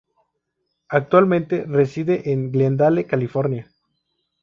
Actualmente reside en Glendale, California.